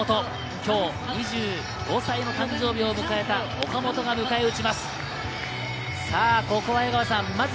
今日２５歳の誕生日を迎えた岡本が迎えうちます。